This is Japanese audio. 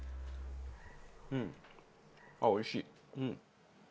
うんあっおいしい！